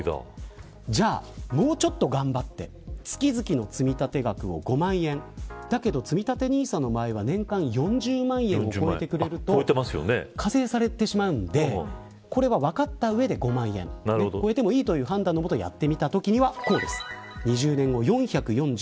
じゃあ、もうちょっと頑張って月々の積み立て額を５万円だけど、つみたてＮＩＳＡの場合は年間４０万円を超えてくると課税されてしまうのでこれを分かった上で５万円超えてもいいという判断のもとやったときにはこうです。